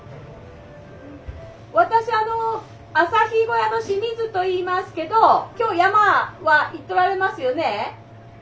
私あの朝日小屋の清水といいますけど今日山は行っとられますよね？